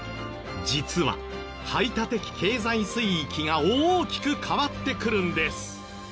実は排他的経済水域が大きく変わってくるんです。